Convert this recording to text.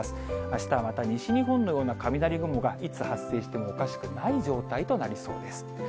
あしたはまた西日本のような雷雲が、いつ発生してもおかしくない状態となりそうです。